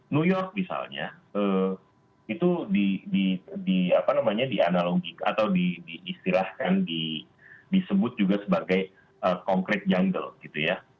new york misalnya itu di analogik atau diistirahkan disebut juga sebagai concrete jungle